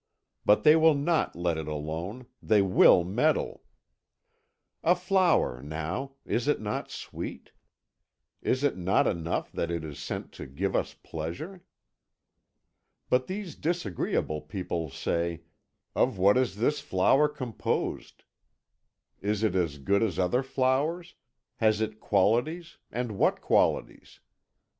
But they will not let it alone; they will meddle. A flower, now is it not sweet is it not enough that it is sent to give us pleasure? But these disagreeable people say, 'Of what is this flower composed is it as good as other flowers has it qualities, and what qualities?'